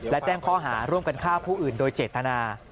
และแจ้งข้อหาร่วมกันฆ่าผู้อื่นโดยเจตนา